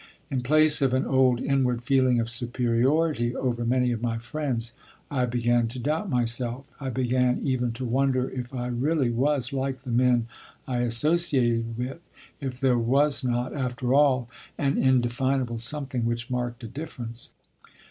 In place of an old inward feeling of superiority over many of my friends I began to doubt myself. I began even to wonder if I really was like the men I associated with; if there was not, after all, an indefinable something which marked a difference.